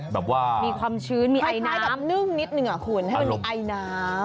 แบบว่ามีความชื้นมีไอคล้ายกับนึ่งนิดนึงอ่ะคุณให้มันมีไอน้ำ